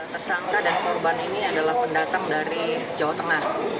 tersangka dan korban ini adalah pendatang dari jawa tengah